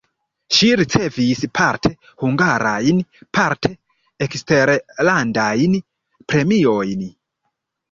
Ŝi ricevis parte hungarajn, parte eksterlandajn premiojn.